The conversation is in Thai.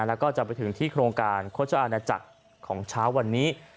แล้วก็จะไปถึงที่โครงการโฆษอาณาจักรของเช้าวันนี้